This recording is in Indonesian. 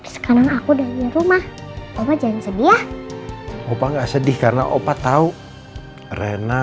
sekarang aku udah di rumah opa jangan sedih ya opa gak sedih karena opa tahu rena